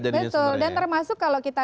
jadinya sebenarnya betul dan termasuk kalau kita